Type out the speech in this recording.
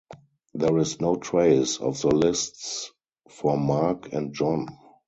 There is no trace of the lists for Mark and John.